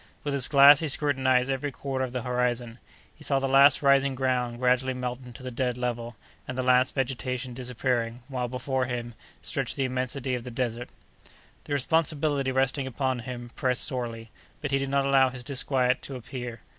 With his glass he scrutinized every quarter of the horizon; he saw the last rising ground gradually melting to the dead level, and the last vegetation disappearing, while, before him, stretched the immensity of the desert. The responsibility resting upon him pressed sorely, but he did not allow his disquiet to appear.